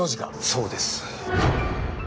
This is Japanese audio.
そうです。